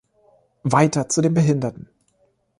Weiter zu den Behinderten.